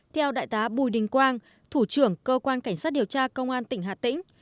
theo đại tá bùi đình quang thủ trưởng cơ quan cảnh sát điều tra công an tỉnh hà tĩnh